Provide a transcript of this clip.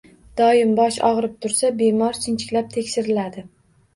Doim bosh og‘rib tursa, bemor sinchiklab tekshiriladi.